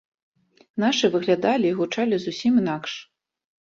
Нашы выглядалі і гучалі зусім інакш.